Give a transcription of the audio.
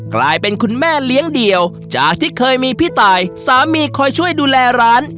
กลายเป็นคุณแม่เลี้ยงเดี่ยวจากที่เคยมีพี่ตายสามีคอยช่วยดูแลร้าน